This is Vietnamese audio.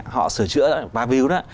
họ sửa chữa và view đó